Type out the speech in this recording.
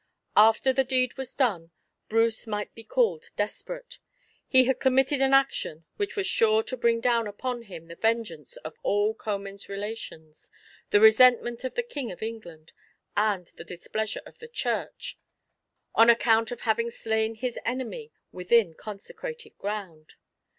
After the deed was done, Bruce might be called desperate. He had committed an action which was sure to bring down upon him the vengeance of all Comyn's relations, the resentment of the King of England, and the displeasure of the Church, on account of having slain his enemy within consecrated ground.